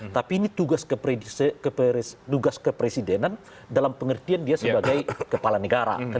tapi ini tugas kepresidenan dalam pengertian dia sebagai kepala negara